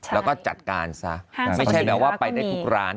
แล้วก็จัดการซะไม่ใช่แปลว่าไปได้ทุกร้าน